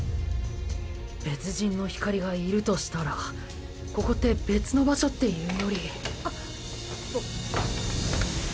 別人のヒカリがいるとしたらここって別の場所っていうより。